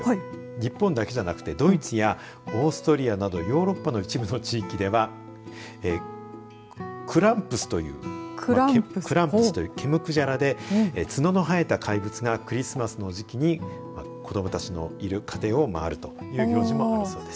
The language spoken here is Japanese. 日本だけじゃなくてドイツやオーストリアなどヨーロッパの一部の地域ではクランプスという毛むくじゃらで角の生えた怪物がクリスマスの時期に子どもたちのいる家庭を回るという行事もあるそうです。